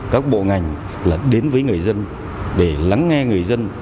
các bộ ngành là đến với người dân để lắng nghe người dân